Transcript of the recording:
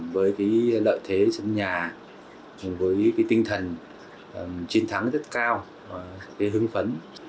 với lợi thế sân nhà với tinh thần chiến thắng rất cao hứng phấn